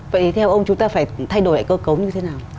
vậy thì theo ông chúng ta phải thay đổi lại cơ cấu như thế nào